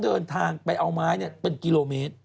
เดินทางไปเอาไม้เป็นกิโลเมตร